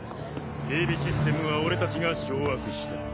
警備システムは俺たちが掌握した。